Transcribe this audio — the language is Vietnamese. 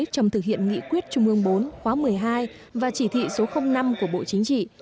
trong thực hiện nghị quyết trung ương bốn khóa một mươi hai và chỉ thị số năm của bộ chính trị